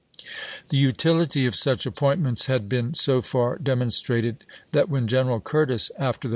The utility of such appointments had been so far demonstrated that when General Curtis, after the Marcii,i862.